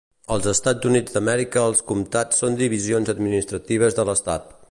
Als Estats Units d'Amèrica els comtats són divisions administratives de l'estat.